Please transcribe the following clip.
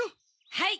はい！